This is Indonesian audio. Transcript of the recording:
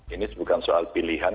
ini bukan soal pilihan